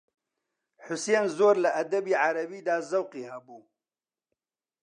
حوسێن زۆر لە ئەدەبی عەرەبیدا زەوقی هەبوو